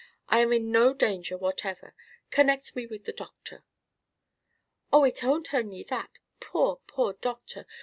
"I am in no danger whatever. Connect me with the Doctor." "Oh, it ain't only that. Poor poor Doctor!